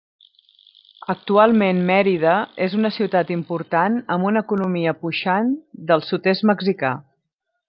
Actualment Mérida és una ciutat important amb una economia puixant del sud-est mexicà.